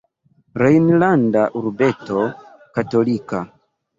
Rejnlanda urbeto katolika.